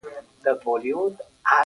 د ژوند بار د وړلو په ډول پورې اړه لري.